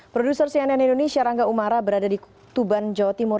produser cnn indonesia rangga umara berada di tuban jawa timur